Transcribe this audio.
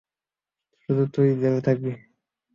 শুধু তুই জেলে থাকবি।